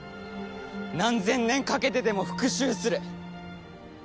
何千年かけてでも復讐する。